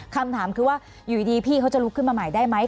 คำถามคือว่าอยู่ดีพี่เขาจะลุกขึ้นมาใหม่ได้ไหม